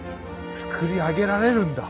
作り上げられるんだ。